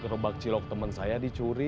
gerobak cilok teman saya dicuri